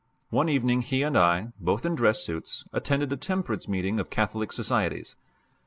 One evening he and I both in dress suits attended a temperance meeting of Catholic societies.